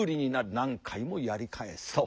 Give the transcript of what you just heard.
何回もやり返すと。